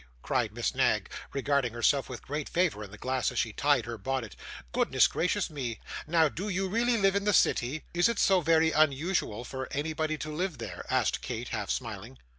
cried Miss Knag, regarding herself with great favour in the glass as she tied her bonnet. 'Goodness gracious me! now do you really live in the city?' 'Is it so very unusual for anybody to live there?' asked Kate, half smiling.